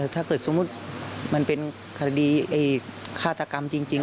ถ้าเกิดสมมุติมันเป็นคดีฆาตกรรมจริง